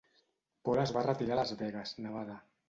Paul es va retirar a Las Vegas, Nevada.